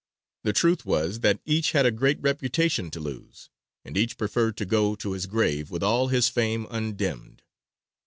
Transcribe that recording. The truth was that each had a great reputation to lose, and each preferred to go to his grave with all his fame undimmed.